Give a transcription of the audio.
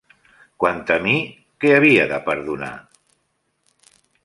Quant a mi, què havia de perdonar?